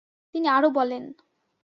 তিনি আরো বলেন